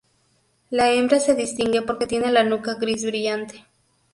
La hembra se distingue porque tiene la nuca gris brillante.